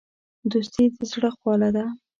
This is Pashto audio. دوستي د زړه خواله ده.